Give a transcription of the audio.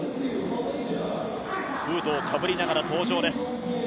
フードをかぶりながら登場です。